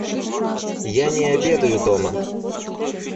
Я не обедаю дома.